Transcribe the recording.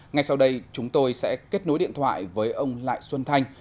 ngay sau đây chúng tôi sẽ kết nối điện thoại với ông lại xuân thanh